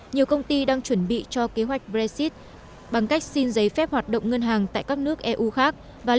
nhiều công ty đang chuẩn bị cho kế hoạch brexit bằng cách xin giấy phép hoạt động ngân hàng tại các nước eu khác